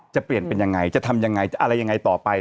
จะเปลี่ยนเป็นอย่างไรจะทำอย่างไรอะไรอย่างไรต่อไป